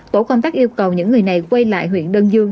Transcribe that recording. tổ công tác yêu cầu những người này quay lại huyện đơn dương